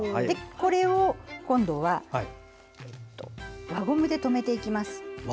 これを、今度は輪ゴムで留めていきます。